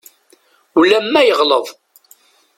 Ulamma yeɣleḍ.